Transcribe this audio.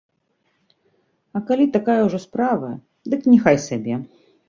А калі такая ўжо справа, дык няхай сабе!